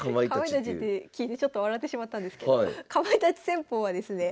かまいたちって聞いてちょっと笑ってしまったんですけどかまいたち戦法はですね